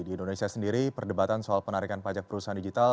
di indonesia sendiri perdebatan soal penarikan pajak perusahaan digital